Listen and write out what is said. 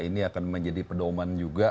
ini akan menjadi pedoman juga